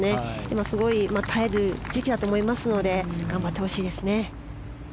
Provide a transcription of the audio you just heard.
すごい耐える時期だと思いますので頑張ってほしいですね。